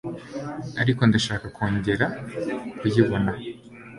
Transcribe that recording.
ariko ndashaka kongera kuyibona